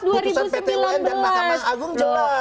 putusan pt un dan mahkamah agung jelas